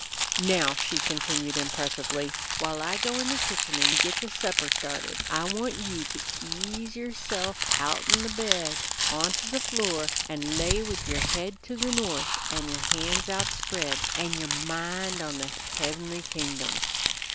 "Now," she continued impressively, "while I go in the kitchen an' git the supper started, I want you to ease yerse'f outen the bed on to the floor, an' lay with yer head to the north an' your han's outspread, an' yer mind on the heabenly kingdom."